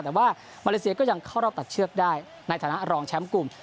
แต่ว่ามาเลเซียก็ยังเข้ารอบตัดเชือกได้ในฐานะรองแชมป์กลุ่ม